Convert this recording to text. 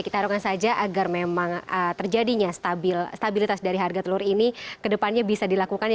kita harapkan saja agar memang terjadinya stabilitas dari harga telur ini kedepannya bisa dilakukan